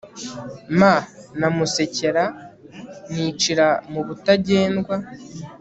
ma na Musekera nicira mu Butagendwa